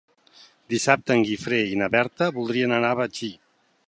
Dissabte en Guifré i na Berta voldrien anar a Betxí.